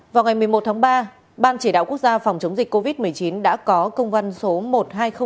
vào ngày một mươi một tháng ba ban chỉ đạo quốc gia phòng chống dịch covid một mươi chín đã có công văn số một nghìn hai trăm linh